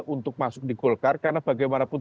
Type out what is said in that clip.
untuk masuk di golkar karena bagaimanapun